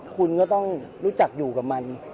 คุณก็ต้องรู้จักอยู่กับมัน